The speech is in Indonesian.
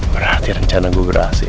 berarti rencana gue berhasil